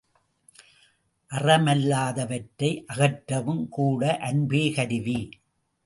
அறமல்லாதவற்றை அகற்றவும் கூட அன்பே கருவி!